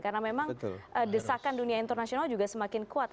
karena memang desakan dunia internasional juga semakin kuat